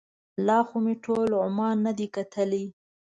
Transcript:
لا خو مې ټول عمان نه دی کتلی.